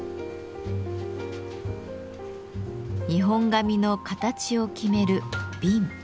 日本髪の形を決める